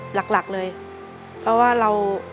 หลักเลยเพราะว่าเรา